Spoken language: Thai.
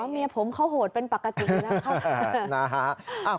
เมียผมเขาโหดเป็นปกติอยู่แล้ว